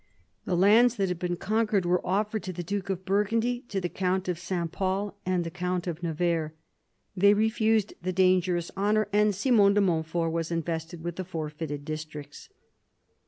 The lands that had been conquered were offered to the duke of Burgundy, to the count of S. Pol, and the count of Nevers. They refused the dangerous honour, and Simon de Montfort was invested with the forfeited districts.